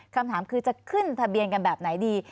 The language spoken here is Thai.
คำถามคือจะขึ้นทะเบียนกันแบบไหนดี